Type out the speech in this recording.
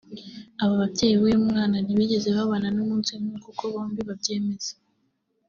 Aba babyeyi b’uyu mwana ntibigeze babana n’umunsi n’umwe nk’uko bombi babyemeza